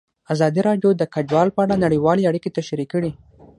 ازادي راډیو د کډوال په اړه نړیوالې اړیکې تشریح کړي.